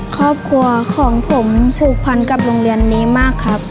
ครอบครัวของผมผูกพันกับโรงเรียนนี้มากครับ